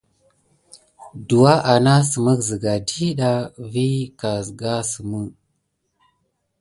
Douwa anasime siga ɗida vi kilué karka.